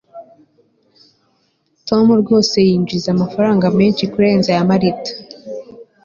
tom rwose yinjiza amafaranga menshi kurenza mariya